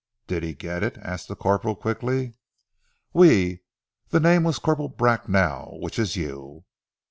"Did he get it?" asked the corporal quickly. "Oui! Ze name was Corporal Bracknell, which is you."